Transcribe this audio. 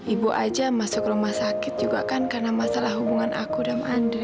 ibu aja masuk rumah sakit juga kan karena masalah hubungan aku dan andri